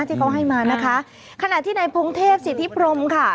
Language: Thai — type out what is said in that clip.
ที่เขาให้มานะคะขณะที่ในพงเทพสิทธิพรมค่ะ